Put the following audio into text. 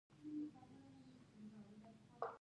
موبایل یو ارزښتناک شی دی.